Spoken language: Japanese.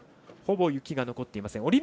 ほぼ雪が残っていません。